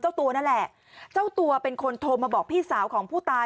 เจ้าตัวนั่นแหละเจ้าตัวเป็นคนโทรมาบอกพี่สาวของผู้ตาย